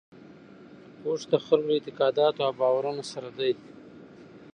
اوښ د خلکو له اعتقاداتو او باورونو سره دی.